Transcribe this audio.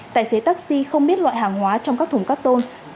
tài xế taxi không biết loại hàng hóa trong các thùng cắt tông